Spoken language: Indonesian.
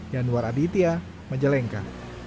yanwar aditya majalengka